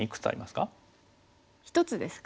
１つですか。